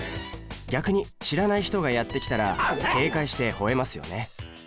逆に知らない人がやって来たら警戒してほえますよね。